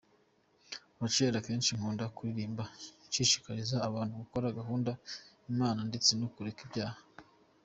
Rachel: Akenshi nkunda kuririmba nshishikariza abantu gukora, Gukunda Imana ndetse no Kureka ibyaha.